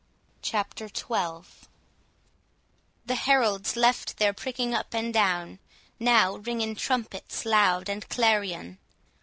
CHAPTER XII The heralds left their pricking up and down, Now ringen trumpets loud and clarion.